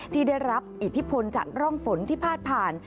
ที่ได้รับอิทธิพลจากร่องฝนที่พาดผ่าน